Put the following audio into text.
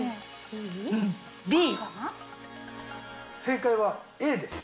正解はＡです！